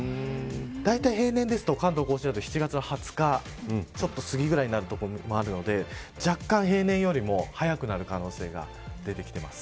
だいたい平年だと関東甲信は７月２０日ちょっとすぎくらいになる所もあるので若干平年よりも早くなる可能性が出てきています。